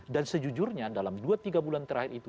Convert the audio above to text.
dan sejujurnya dalam dua tiga bulan terakhir itu